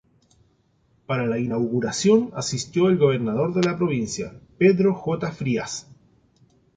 Para la inauguración asistió el Gobernador de la Provincia, Pedro J. Frías.